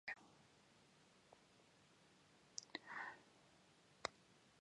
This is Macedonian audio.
Сценариото е детектор на она што филмот ќе биде или што може да биде.